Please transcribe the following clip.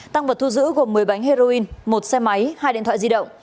tăng vật thu giữ gồm một mươi bánh heroin một xe máy hai điện thoại di động